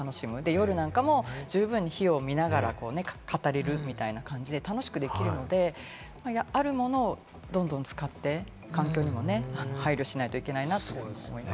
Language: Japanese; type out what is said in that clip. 夜なんかも十分に火を見ながら語れるみたいな感じで楽しくできるので、あるものをどんどん使って環境にも配慮しないといけないなって思います。